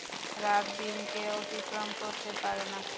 রাত দিনকে অতিক্রম করতে পারে না।